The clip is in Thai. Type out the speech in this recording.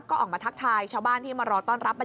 ก็ออกมาทักทายชาวบ้านที่มารอต้อนรับ